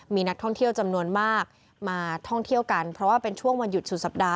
มีนักท่องเที่ยวจำนวนมากมาท่องเที่ยวกันเพราะว่าเป็นช่วงวันหยุดสุดสัปดาห